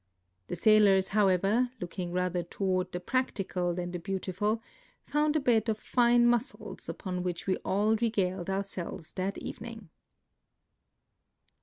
The sailors, however, looking rather toward the practical than the beautiful, found a bed of fine mus sels, upon which we all regaled ourselves that evening.